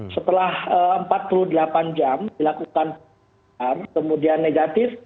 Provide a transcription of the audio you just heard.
setelah empat puluh delapan jam dilakukan kemudian negatif